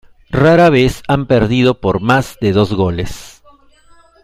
Rara vez han perdido por más de dos goles.